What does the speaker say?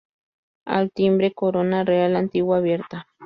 Al timbre corona real antigua, abierta.